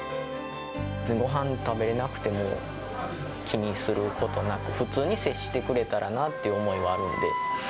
ごはん食べれなくても気にすることなく、普通に接してくれたらなという思いはあるんで。